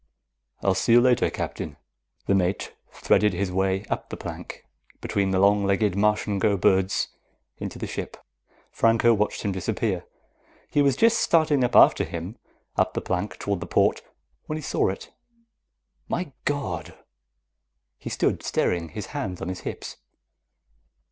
"I'll see you later, Captain." The mate threaded his way up the plank, between the long legged Martian go birds, into the ship. Franco watched him disappear. He was just starting up after him, up the plank toward the port, when he saw it. "My God!" He stood staring, his hands on his hips.